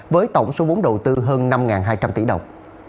với tổng số vốn đầu tư hơn năm hai trăm linh tỷ đồng